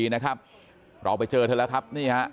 เราเอาไปเจอเธอแล้วครับ